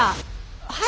はい！